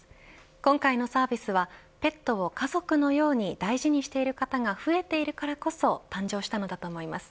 今回のサービスはペットを家族のように大事にしている方が増えているからこそ誕生したのだと思います。